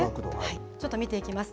ちょっと見ていきます。